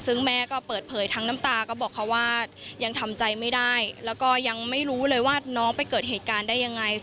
ซึ่งแม่ก็เปิดเผยทั้งน้ำตาก็บอกเขาว่ายังทำใจไม่ได้แล้วก็ยังไม่รู้เลยว่าน้องไปเกิดเหตุการณ์ได้ยังไง